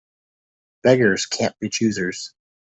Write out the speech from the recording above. Beggars can't be choosers.